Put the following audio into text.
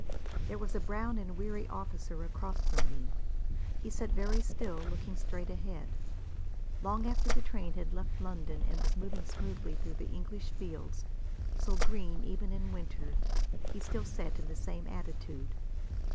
There was a brown and weary officer across from me. He sat very still, looking straight ahead. Long after the train had left London, and was moving smoothly through the English fields, so green even in winter, he still sat in the same attitude.